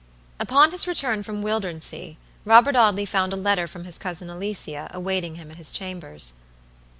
Upon his return from Wildernsea, Robert Audley found a letter from his Cousin Alicia, awaiting him at his chambers.